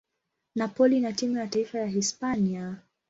Napoli na timu ya taifa ya Hispania.